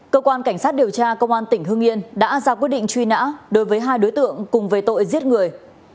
cơ quan cảnh sát điều tra công an tỉnh hương yên đã ra quyết định truy nã đối với hai đối tượng cùng về tội giết người